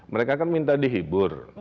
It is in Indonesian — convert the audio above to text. mereka akan minta dihibur